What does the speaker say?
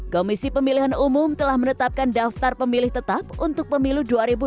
komisi pemilihan umum telah menetapkan daftar pemilih tetap untuk pemilu dua ribu dua puluh